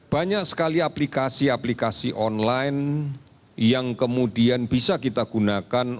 banyak sekali aplikasi aplikasi online yang kemudian bisa kita gunakan